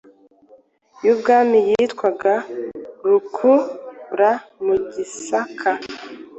yubwami yitwaga Rukuura.mugisaka